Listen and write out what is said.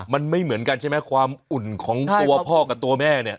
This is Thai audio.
มันไม่เหมือนกันใช่ไหมความอุ่นของตัวพ่อกับตัวแม่เนี่ย